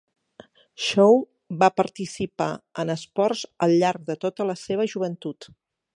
Shaw va participar en esports al llarg de tota la seva joventut.